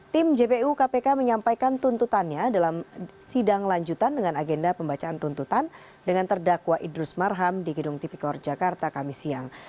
tim jpu kpk menyampaikan tuntutannya dalam sidang lanjutan dengan agenda pembacaan tuntutan dengan terdakwa idrus marham di gedung tipikor jakarta kami siang